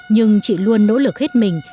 nhưng chị luôn nỗ lực hết mình